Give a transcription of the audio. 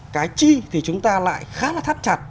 cái chi thì chúng ta lại khá là thắt chặt